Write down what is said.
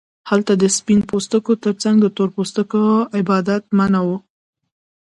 هلته د سپین پوستو ترڅنګ د تور پوستو عبادت منع و.